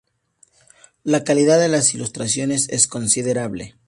La calidad de las ilustraciones es considerable.